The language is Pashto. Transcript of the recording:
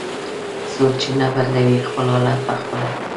"څوک چې نه بدلوي خپل حالت په خپله".